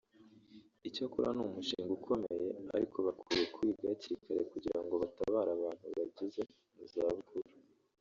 Icyakora ni umushinga ukomeye ariko bakwiye kuwiga hakiri kare kugira ngo batabare abantu bageze mu zabukuru